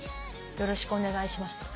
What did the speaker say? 「よろしくお願いします」